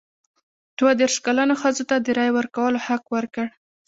دوه دیرش کلنو ښځو ته د رایې ورکولو حق ورکړ.